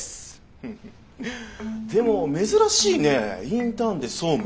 でも珍しいねインターンで総務？